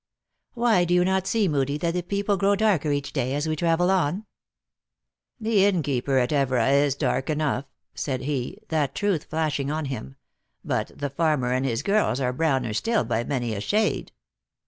" Why, do you not see Moodie, that the people grow darker, each day, as we travel on ?"" The innkeeper at Evora is dark enough," said he, that truth flashing on him ;" but the farmer and his girls are browner still by many a shade."